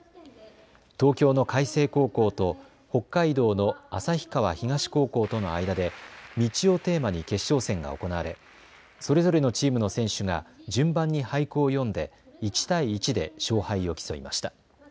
東京の開成高校と北海道の旭川東高校との間で道をテーマに決勝戦が行われそれぞれのチームの選手が順番に俳句を詠んで１対１で勝敗を競いました。